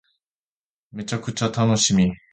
めちゃくちゃ楽しみ